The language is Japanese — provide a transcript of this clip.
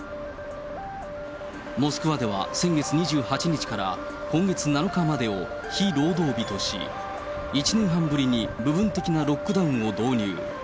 モスクワでは先月２８日から今月７日までを非労働日とし、１年半ぶりに部分的なロックダウンを導入。